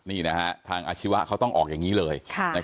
นี่นะฮะทางอาชีวะเขาต้องออกอย่างนี้เลย